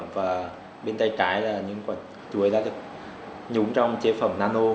và bên tay trái là những quả chuối đã được nhúng trong chế phẩm nano